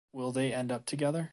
Will they end up together?